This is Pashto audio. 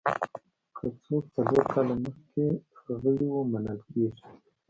که څوک څلور کاله مخکې غړي وو منل کېږي.